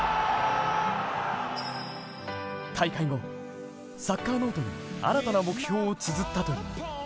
大会後、サッカーノートに新たな目標をつづったという。